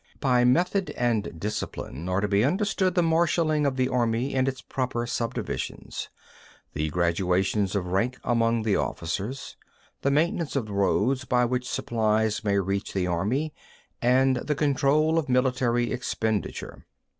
10. By Method and discipline are to be understood the marshalling of the army in its proper subdivisions, the gradations of rank among the officers, the maintenance of roads by which supplies may reach the army, and the control of military expenditure.